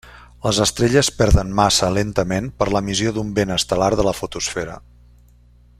Les estrelles perden massa lentament per l'emissió d'un vent estel·lar de la fotosfera.